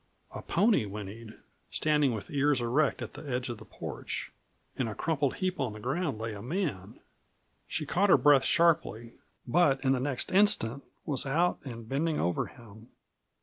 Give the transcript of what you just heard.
A pony whinnied, standing with ears erect at the edge of the porch. In a crumpled heap on the ground lay a man. She caught her breath sharply, but in the next instant was out and bending over him.